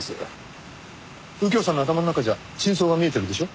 右京さんの頭の中じゃ真相が見えてるんでしょ？